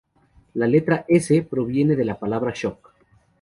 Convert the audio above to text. La letra "S" proviene de la palabra "shock".